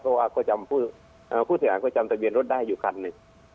เพราะว่าผู้สามารถก็จำทะเบียนรถได้อยู่คันนี้